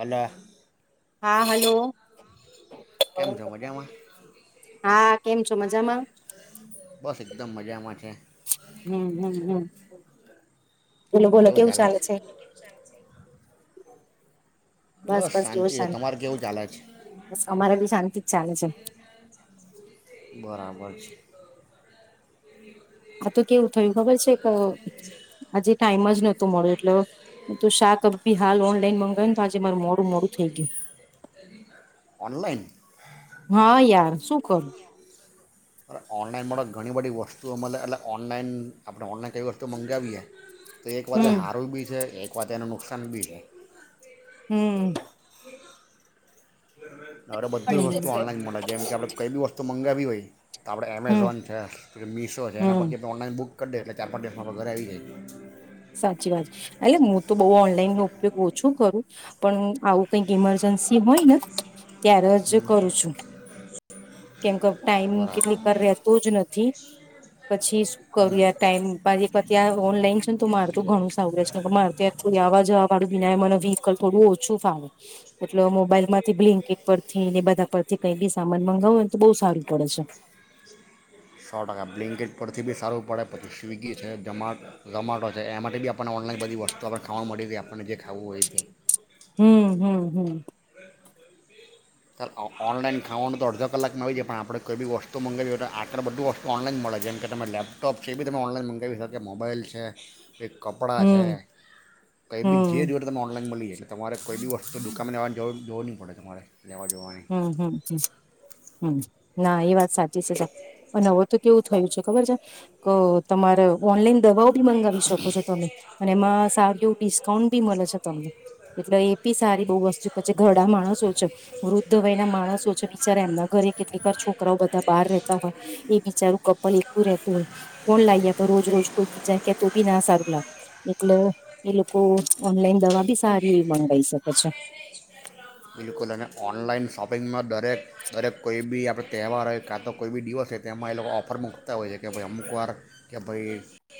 અલ્યા હા, હલો. કેમ છો મજામાં હા, કેમ છો મજામાં? બસ એકદમ મજામાં છે હમ હમ હમ! બોલો બોલો, કેવું ચાલે છે? બસ બસ, બોવ છે શાંતિ. તમારે કેવું ચાલે છે બસ, અમારે બી શાંતિ. ચાલે છે. બરાબર છે. આ તો કેવું થયું ખબર છે કે આજે ટાઈમ જ નતો મળ્યો. એટલે શાક અબિહાલ ઓનલાઈન મંગાવ્યુને તો આજે મારું મોડું મોડું થઈ ગયું. ઓનલાઈન હા યાર, શું. [inaudible] અરે! ઓનલાઈન મળ ઘણી બધી વસ્તુઓ મળે. એટલે ઓનલાઈન આપણે ઓનલાઈન કઈ વસ્તુ મંગાવીએ. તો એક હમ વાતે હારું બી છે. અથવા તેનું નુકસાન બી છે. હમ! [inaudible] હવે બધું જ વસ્તુ હમ ઓનલાઈન મળે છે. જેમ કે, આપડે કઇ બી વસ્તુ. તો મંગાવી હોય. તો આપણે એમેઝોન છે, મીશો છે. એના હમ પરથી આપણે ઓનલાઈન બુક. કડે, એટલે ચાર-પાંચ દિવસમાં ઘરે આવી જાય. સાચી વાત એટલે હું તો બહુ ઓનલાઈન નો ઓછું કરું. પણ, આવું કઈક ઈમરજન્સી હોય ને. ત્યારે જ કરું છું. [inaudible] ટાઈમ બરાબર કેબાલપર રહેતો જ નથી. પછી, શું કરું હમ યાર? ટાઈમ પાછી ત્યા ઓનલાઈન. માર તો ઘણું સારુંે છે મારે ત્યા આવવા જવાળ અને એમાંય મને વ્હીકલ થોડું ઓછું ફાવે એટલે મોબાઈલ માંથી બ્લિન્કટ પરથી ને બધા પરથી કઈ બી સામાન મંગાવો ને તો બહુ સારું પડે છે સો ટકા બ્લેન્કેટ પરથી બી સારું પડે પછી સ્વિગી છે જમા જમાટો છે એ માટે બી આપણને ઓનલાઈન બધી વસ્તુ આપને ખાવાનું મળી રે આપણને જે ખાવું હોય તે હમ હમ હમ [inaudible] સર ઓનલાઈન ખાવાનું તો અડધ કલાકમાં આવી જાય પણ આપણે કોઈ બી વસ્તુ મગાવી હોય તો આગળ બધું વસ્તુ ઓનલાઈન મળે જેમ કે તમે લેપટોપ છે એ બી તમે ઓનલાઈન મંગાવી શ કે મોબાઈલ છે એક કપડાં છે હમ તો એ હમ બી જે જોવે તને ઓનલાઈન મળી જ એટલે તમારે કોઈ દિવસ્ત તો દુકાનને આવવા જ જોવું નહી પડે તમારે લેવા જવાની હમ હમ હમ હમ ના એ વાત સાચી છે સાહેબ અને હવે તો કેવું થયું છે ખબર છે તમારે ઓનલાઈન દવાઓ બી મંગાવી શકો છો તમે અને એમાં સારું એવું ડિસ્કાઉન્ટ ભી મળે છે તને એટલે એ બી સારી બહુ વસ્તુ ઘડામાં સોચી વૃદ્ધ વય ના માણસો છે બિચારા એમના ઘરે કેટલીક વાર છોકરાઓ બધા બહાર રહેતા હોય એ બચારું એટલું રતું કોણ લાવ આપ રોજ રોજ કોઈ બીજા કેતો બી ના સારું લાવે એટલે એ લોકો ઓનલાઈન દવા બી સારી એવી મગી શકે છે બિલકુલ અને ઓનલાઈન શોપિંગમાં દરેક દરેક કોઈ બી આપણે તહેવાર હોય કાં તો કોઈ બી દિવસ હોય તેમાં એ લોકો ઓફર મૂકતા હોય છે કે ભાઈ અમુકવાર કે ભાઈ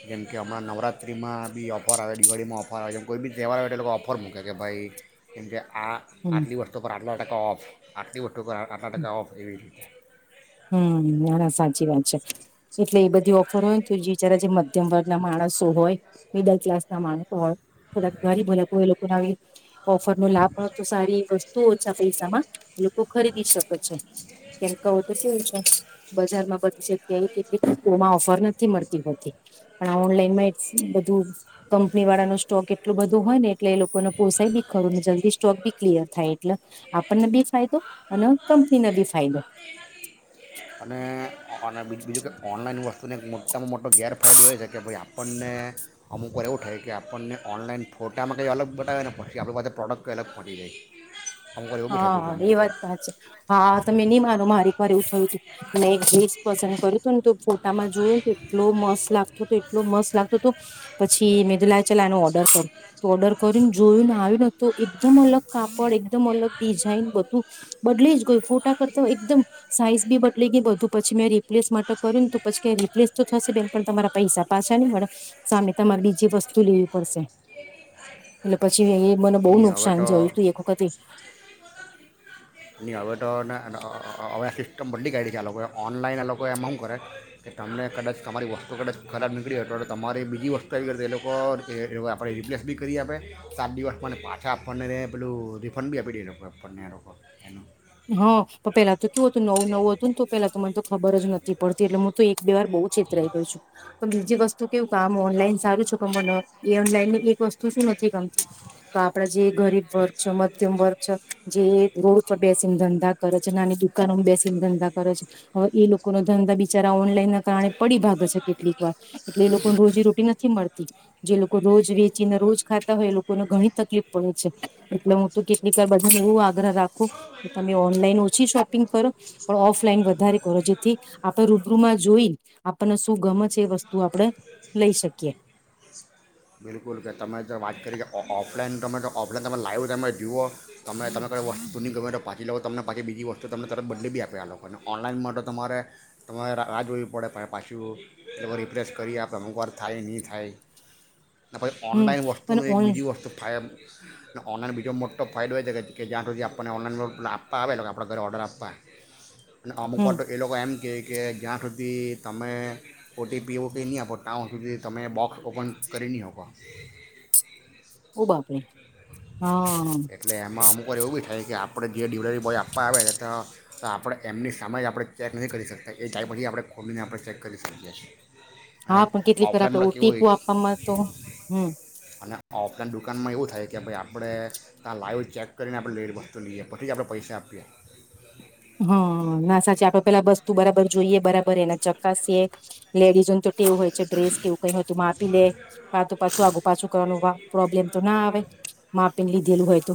જેમકે હમણાં નવરાત્રિમાં બી ઓફર આવે દિવાળીમાં ઓફર આવે જેમ કોઈ બી તહેવાર આવે તો એ લોકો ઓફર મૂકે કે ભાઈ કેમકે આ હમ આટલી વસ્તો પર આપના ટકા ઓફ આરતી વ અના ટકા ઓફ એવી રીતે હમ હ સાચી વાત છે એટલે એ બધી ઓફર હોય ને તો બચારા જે મધ્યમ વર્ગ ના માણસો હોય મિડલ ક્લાસ ના માણસો હોય થોડા ઘરી ભલા કો હોય લોકો ઓફર નો લાભ મળ તો સારી વસ્તુ ઓછા પૈસામાં લોકો ખરીદી શકે છે કેમ વી કેટલીમાં આવશે ફર નથી મળતી હોતી પણ ઓનલાઈનમાં બધું કંપની વાળાનો સ્ટોક એટલું બધું હોય ને એટલે એ લોકોને પોસાય બી ખરુંને જલ્દી સ્ટોક બી ક્લિયર થાય એટલે આપણને બી ફાયદો અને કંપનીને બી ફાયદો અને અને અ બ બ કે ઓનલાન વસ્તુ આપને એક મોટામાં મોટો ગેરફાયદો એ છે કે ભાઈ આપણને અમુક વાર એવું થાય કે આપણને ઓનલાઈન ફોટામાં કંઈ અલગ બતાવે ને પછી આપણી પાસે પ્રોડક્ટ કંઈ અલગ પટી જાય અમુક વાર એવું બી થતું છે હા અમુક એ વખત વાત વાત છે હા તમે નહી મારો મારે એક વાર એવું થયું તું મે ડ્રેસ પસંદ કર્યું હતું ને તો ફોટામાં જોયું એટલો મસ્ત લાગતો હતો એટલો મસ્ત લાગતો હતો પછી મેદલા ચલાનો ઓડ તો ઓર્ડર કરીને જોયુંને આવ નથી તો એકદમ અલગ કાપડ એકદમ અલગ બધું બદલી જ ગય ફોટા કરતા એકદમ સાઈઝ બી બદલી ગઈ બધું પછી મેં રિપ્લેસ માટે કર્યું ને તો પછી રિપ્લેસ તો થશે બેન પણ તમારા પૈસા પાછા નહી મળે સામે તમારે બીજી વસ્તુ લેવી પડશે એટ પછી કે એ મને બહુ નુકસાન જોયું તું એક વખતે નહી હવે તો હવે આ સિસ્ટમ બંધડી કાઢી છે, આ લોકોએ ઓનલાઈન આ લોકો એમ કરે કે તમને કદાચ તમારી વસ્તુ કદાચ ખરાબ નીકળી હો તો તમારી બીજી વસ્તુ આવી ગ તો એ લોકો આપણે રિપ્લેસ બી કરી આપે સાત દિવસ મને પાછા આપણનેને પેલું રિફંડ બી આપી દે આપણને લોકો એનું હા પણ પેલા તો કયું હતું નવું નવું હતું ને તો પેલા તો મને તો ખબર જ નથી પડતી એટલે હું તો એક બે વાર બહુ છેતરાઈ ગઈ છું તો બીજી વસ્તુ કેવું કામ ઓનલાઈન સારું છો ગમ એ ઓનલાઈનની એક વસ્તુ શું નથી ગમતી આપડા જે ગરીબ વર્ગ છે મધ્યમ વર્ગ છે જે રોડ બેસીને ધંધા કરે છે નાની દુકાનોમાં બેસીને ધંધા કરે છે એ લોકો નો ધંધા બિચારા ઓનલાઈન કારણે પડી ભાગ છે કેટલીક વાર એટલે એ લોકોને રોજી રોટી નથી મળતી જે લોકો રોજ વેચીને રોજ ખાતા હોય એ લોકોને ઘણી તકલીફ પડે છે એટલે હું તો કેટલીક વાર બધાને એવું આગ્રહ રાખું તમે ઓનલાઈન ઓછી શોપિંગ કરો પણ ઓફલાઈન વધારે કરો જેથી આપણે રૂબરૂમાં જોઈ આપણને શું ગમ છે એ વસ્તુ આપણે લઈ શકીએ બિલકુલ કે તમે જો વાત કરી કે ઓફલાઈન ગમે તો ઓફલાઈન તમે લાઈવ તમે જુઓ તમે તમે કઈ વસ્તુની ગમે તો પાછી લેવો તમને પાછી બીજી વસ્તુ તમને તરત બદલી બી આપે લોકો અને ઓનલાઈન માટે તો તમારે તમારે રાહ જોવી પડે પાછી એલે રિપ્લેસ કરી આપ અમુક વાર થાય નહીં થાય નેહી હમ ઓનલાઈન અને વસ્તુનું એક ઓન બીજી વસ્તુ થાય ઓનલાઈન બીજો મોટો ફાઇડ હોય છે કે જ્યાં સુધી આપણને ઓનલાઈન આપવા આવેને આપણા ઘરે ઓર્ડર આપવા અને અમુક હમ વાર તો એ લોકો એમ કે કે જ્યાં સુધી તમે ઓ ટી પી એવુ ની આપો ત્યાં સુધી તમે બોક્સ ઓપન કરીની હોકો ઓ બાપરે હા એટલે એમાં અમુક વાર એવું બી થાય કે આપ આપણે જે ડીલિવરી બોય આપવા આવે આપણે એમની સામે જ આપણે ચેક નહી કરી શકતા એ જાય પછી આપણે ખોલીને આપણે ચેક કરી શકીએ છીએ. અને હા પણ કેટલી ખર આપે ઓફલાઈનમાં ઓ તો કેવું ટી પુ હોય આપવામાં તો હમ અને ઓફલાઈન દુકાનમાં એવું થાય કે ભાઈ આપડે ત્યાં લાઈવ ચેક કરીને આપણે લેટ વસ્તુ લઈએ પછી જ આપણે પૈસા આપીએ. હા ના સાચી આપડે પેલા વસ્તુ બરાબર જોઈએ બરાબર એને ચકાસીએ લેડીઝને તો કેવું હોય છે ડ્રેસ કેવું કઈ હોય તું માપી લે વા તો પાછું આગું પાછું કરવાનું પ્રોબ્લેમ તો ના આવે માપ લીધેલું હોય તો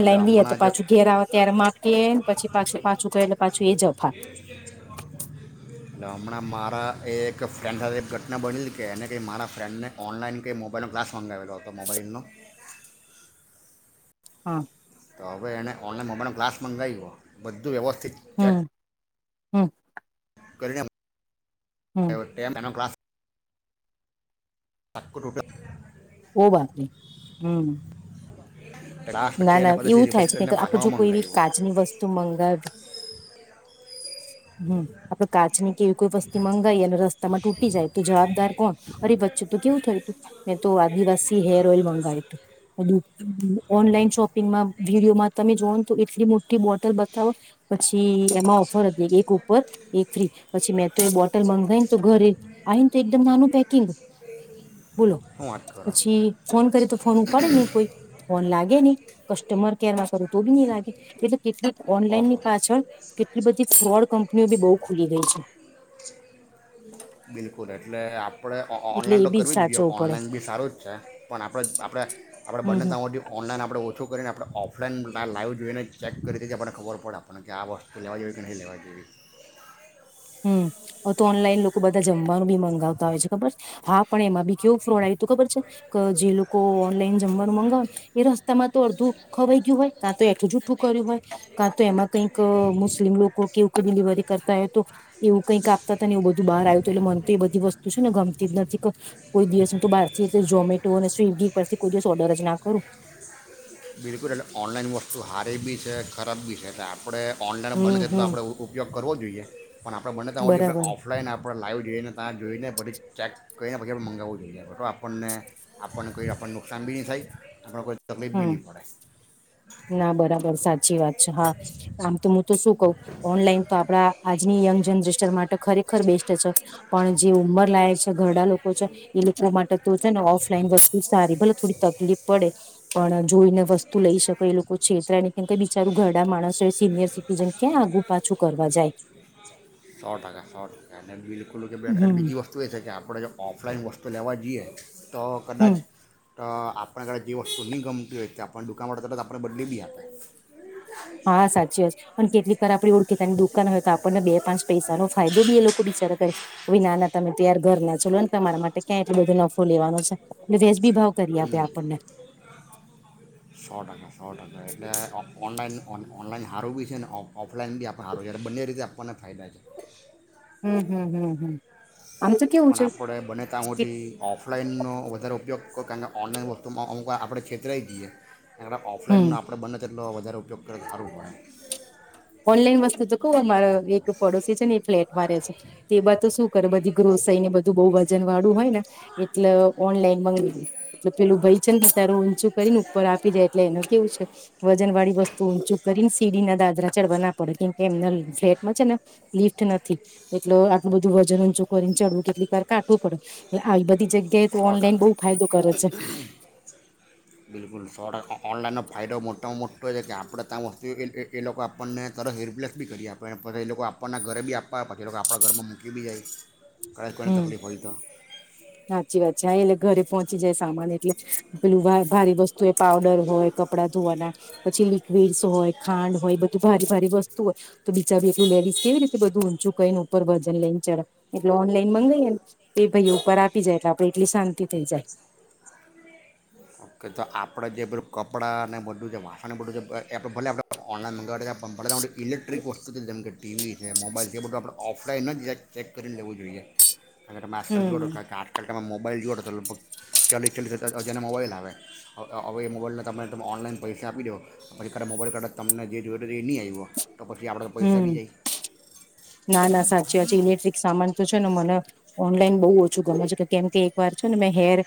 એટલે લઈએ તો હમણાં જ પાછું એટલે ઘેર ત્યારે માપીએને પછી પાછું પાછું કટલે પાછું એ જ ફા હમણાં મારા એક ફ્રેન્ડ હાથે એક ઘટના બની કે એને કે મારા ફ્રેન્ડને ઓનલાઈન કે મોબાઈલ ન ગલાસ મગંવેલો હતો મોબાઈલનો હા તો હવે એણે ઓનલાઈન મોબાઈલનો ગ્લાસ મંગાવીયો બધું વ્યવસ્થા થી ચટ હમ્મ કરીણ કેમ એનો ક્લાસ [inaudible] ઓ વાત નહી હમ લાસ્ટ ના પછી એને ના ફરીથી એવું રિપ્લેસ થાય કરીને છે આપડે પાછા જો કોઈ મંગાવ્યો કાચની વસ્તુ મંગાવ હમ આપડે કાચની એવી કોઈ વસ્તી મંગાવી અને રસ્તામાં તૂટી જાય તો જવાબદાર કોણ અરે વચ્ચે તો કેવું થયું તું મેં તો આદિવાસી હેર ઓઈલ મંગાવ્યું હતું [unintelligible] ઓનલાઈન શોપિંગમાં વિડીયોમાં તમે જોઓ ને તો એટલી મોટી બોટલ બતાવો પછી એમાં ઓફર હતી એક ઉપર એક ફ્રી પછી મેં તો એ બોટલ મંગાવી ને તો ઘરે આવી ને તો એકદમ નાનું પેકિંગ બોલો શું વાત કરો પછી ફોન કરી તો ફોન ઉપાડે નય કોઈ લે ને કસ્ટમર કેરમાં કરું તો બી ની લાગે એ કેટલીક ઓનલાઈન ઓહો ની પાછળ કેટલી બધી ફ્રોડ કંપ બી બહુ ખુલી ગઈ છે. બિલકુલ એટલે આપ આપણે એટલે ઓનલાઈન એ તો બી કરવી જ જોઈએ સાચવવું પડે ઓનલાઈન બી સારું જ છે પણ આપણે આપણે આપણે હમ બંને હમ તા હુધી ઓનલાઈન આપણે ઓછું કરીને આપણે આપણે ઓફલાઈન લાઈવ જોઈને ચેક કરી દીએ આપને ખબર પડે આપણને કે આ વસ્તુ લેવા જોઈએ કે નહીં લેવા જોઈએ. હા તો ઓનલાન લોકો બધા જમ [unintelligible] બી મંગાવતા હોય છે ખબર હા પણ એમાં બી કેવું ફ્રોડ આવ્યું હતું ખબર છે જે લોકો ઓનલાઈન જમવાનું મગાવ એ રસ્તામાં તો અડધું ખવાઈ ગયું હોય, કાં તો એઠલું જુઠ્ઠું કર્યું હોય, કાં તો એમાં કઈક એક મુસ્લિમ લોકો કેવ ઉપડિલીવરી કરતાય તો એવું કંઈક આપતા એવ બધું બહાર આયુ તુ એટલે મન તી બધી વસ્ તું શું ને ગમતી જ નથી કોઈ દિવસ હું ત બારથી ઝમેટો અને સ્વિગી પરથી કોઈ દિવસ ઓર્ડર જ ના કરું. બિલકુલ એટલે ઓનલાઈન વસ્તુ હારી બી છે ખરાબ બી છે આપણે ઓનલાઈન બને હમ છે એટલો હમ આપણે ઉપયોગ કરવો જ જોઈએ. પણ આપણે બને ત્યા હુધી આપણે બરાબર ઓફલાઈન આપણે લાઈવ જોઈએને ત્યાં જોઈને પછી ચેક કઈને પછી આપણે મંગાવવું જોઈએ તો આપણને આપણને કોઈ આપણને નુકસાન બી નહીં થાય આપણ કોઈ તકમેફ હમ બીની ના બરાબર સાચી વાત છે હા. આમ તો હું તો શું કવ ઓનલાઈન તો આપડા આજની યંગ જનરેશન માટે ખરેખર બેસ્ટ છે. પણ જે ઉંમર લાયક છે ઘરડા લોકો છે એ લોકો માટ તો છે ને ઓફલાઈન વસ્તુ સારી ભલે થોડી તકલીફ પડે. પણ જોઈને વસ્તુ લઈ શકે એ લોકો છેતરા ને કેમ કઈ બિચારું ઘરડા માણસ હોય સિનિયર સિટીઝન ક્યાં આગું પાછું કરવા જાય. સો ટકા સો ટકા અન બિલકુલ હમ બીજી વસ્તુ એ છે કે આ આપણે જે ઓફલાઈન વસ્તુ લેવા જીએ તો હમ કદાચ તો આપણા કને જે વસ્તુ ની ગમતી હોય છે આપન દુકાન વાળ તરત આપણે બદલી બી આપે. હા સાચી વા છે. પણ કેટલીક વાર આપડી ઓળખેતા દુ હોય તો આપણને બે પાંચ પૈસા નો ફાયદો બી એ લોકો બિચારા કરે ભાઈ ના ના તમે ત્યાર ઘર ના છો લો ને તમારા માટે ક્યાં એટલો બધો નફો લેવાનો છે. એટ વેેશબી ભાવ કરી આપે હમ આપણને. સો ટકા સો ટકા એટલે ઓનલાઈન ઓનલાઈન સારું બી છે ઓફ ઓફલાઈન બી આપણ સારું છે એટ બંને રીતે આપણને ફાયદા છે. હમ્મ હમ્મ હમ્મ હમ્મ. પણ આપણે બને તા મોટી ઓફ ઓફલાઈનનો વધારે ઉપયોગ કરનાર ઓનલાઈન વસ્તુમાં અમુક વાર આપણે છેતરાઈ જીએ. એમા હમ ઓફલાઈન આપણે બને છે તે એલો વધારે ઉપયોગ કરે સારું હોય. ઓનલાઈન વસ્તુ તો કો અમારા એક પડોશી છે ને એ ફ્લેટમાં રહે છે તો એ બથુ શુ કરે બધી ગ્રોસરીને બધું બઉ વજન વાળું હોય ને એટલે ઓનલાઈન મંગ એ પેલું ભય છે ને તારું ઊંચું કરીને ઉપર આપી જાય એટલે એનું કેવું છે વજન વાળી વસ્તુ ઊંચું કરીને સીડીના દાદરા ચડવા ના પડે કેમ કે એમના ફ્લેટમાં છે ને લિફ્ટ નથી એટલે આટલું બધું વજન ઊચું કરીને ચડવું કેટલીક વાર કાટુ પડે આવી બધી જગ કે સો ઓનલાઈન બહુ ટકા ફાયદો કરે છે. બિલકુલ સો ટકા ઓનલાઈનનો ફાયદો મોટામાં મોટો એ છે કે આપણે ત્યાં વસ્તુ ઓ એ લોકો આપણને તરત હેર રિપ્લેસ બી કરી ને આપે પછી એ લોકો આપણને ઘરે બી આપવા પછી એ લોકો આપણા ઘરમાં મૂકી બી જાય કઈ કોઈને તકલીફ હોય તો જાય એટલે ઘરે પહોંચી જાય સામાન એટલે પેલું ભારે વસ્તુ એ પાવડર હોય કપડા ધોવાના પછી લિક્વિડસ હોય ખાંડ હોય બધું ભારી ભારી વસ્તુ હોય તો બીચારુ એખલુ લેડીઝ કેવી રીતે બધું ઊંચું કરીને ઉપર વજન લઈ ને ચઠે એટલે ઓનલાઈન મંગાઈએ ને એ ભાઈ ઉપર આપી જાય એટલે આપડે એટલી શાંતિ થઈ જાય ઓકે તો આપણે જે બધુ કપડાંને બધું જે વાસણને બધું છે એ આપણે ભલે ઓનલાઈન મંગાવી દે પણ બને તયા શુંથી ઇલેક્ટ્રિક વસ્તુ જેમ કે ટીવી છે મોબાઈલ છે એ બધું આપણે ઓફલાઈન જ ચેક કરીને લેવું જોઈએ. અને તમે આજકાલ જોવો તો હમ કા એમાં મોબાઈલ જોવો તો લગભગ ચાલીસ ચાલીસ હજારના મોબાઈલ આવે હવે એ મોબાઈલને તને ઓનલાઈન પૈસા આપી દો પછી કાઠા મોબાઈલ કાઠી તમને જે જોઈ તો એ ની આવ્યો તો પછી આપણે પૈસા હમ બી જાય ના ના સાચે હજી ઇલેક્ટ્રિક સામાન તો છે ને મને ઓનલાઈન બહુ ઓછુ ગમે છે કે કેમ કે એક વાર છે ને મેં હેર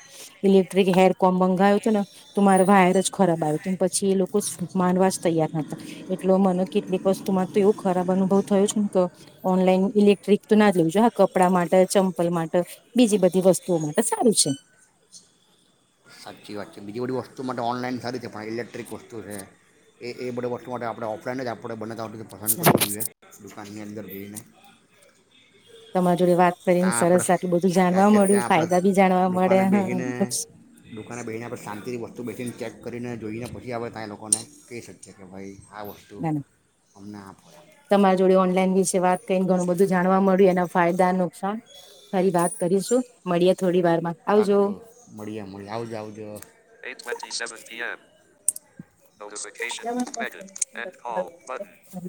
ઇલેક્ટ્રિક હેર કોમ મંગાયો તો ને મારે વાયર જ ખરાબ આવ્યો તો ને પછી એ લોકોજ માનવા જ તૈયાર ન હતા એટલે મને કેટલીક વસ્તુમાં તો એવુ ખરાબ અનુભવ થયો છે ને તો ઓનલાઈન ઇલેક્ટ્રિક તો ના જ લેવાય કપડા માટે ચંપલ માટે બીજી બધી વસ્તુઓ માટે સારું છે. સાચી વાત છે બીજી બધી વસ્તુ માટે ઓનલાઈન સારી છે પણ ઇલેક્ટ્રિક વસ્તુ છે એ એ બધી વસ્તુ માટે આપણે ઓફલાઈન જ આપણે બને તા પસંદ કરવું જોઈએ દુકાનની અંદર એને તમારી જોડે વાત કરીને સરસ આટલું બધું ત્યાં જાણવા કે મળ્યું ત્યાં આપણે ફાયદા બી જાણવા મળે દુકાને બેસીને હ દુકાને બેહીને પછી શાંતિથી વસ્તુ બેસીને ચેક કરીને જોઈને પછી આવે ત્યાં એ લોકોને કહી શકશે કે ભાઈ આ વસ્તુ ના અમને આપો તમારી જોડે ઓનલાઈન વિશે વાત કરીને ઘણું બધુ જાણવા મળ્યું એના ફાયદા નુકસાન ફરી વાત કરીશું મળીએ થોડી વાર પાકુ મળીએ મળી આવજો આવજો [unintelligible] [unintelligible] [unintelligible]